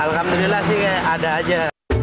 alhamdulillah sih ada aja